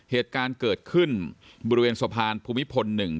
เหตุการณ์เกิดขึ้นบริเวณสะพานภูมิพล๑